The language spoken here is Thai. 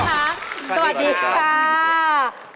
สวัสดีค่ะ